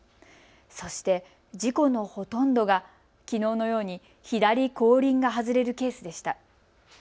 そして事故のほとんどがきのうのように左後輪が外れるケースでした。